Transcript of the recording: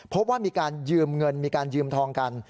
พบว่ามีการยืมเงินมีการยืมทองกัน